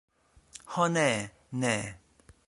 Ho ne, ne.